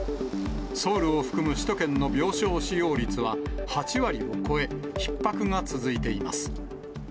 ソウルを含む首都圏の病床使用率は８割を超え、ひっ迫が続いています。